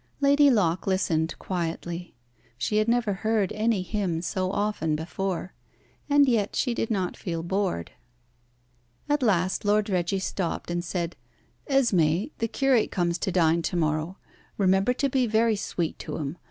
Lady Locke listened quietly. She had never heard any hymn so often before, and yet she did not feel bored. At last Lord Reggie stopped, and said, "Esmé, the curate comes to dine to morrow. Remember to be very sweet to him.